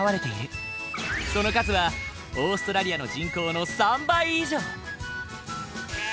その数はオーストラリアの人口の３倍以上！